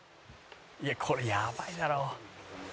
「いやこれやばいだろ」